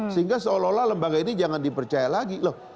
sehingga seolah olah lembaga ini jangan dipercaya lagi loh